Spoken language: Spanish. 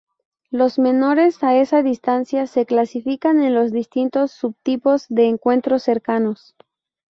Los menores a esa distancia se clasifican en los distintos subtipos de encuentros cercanos.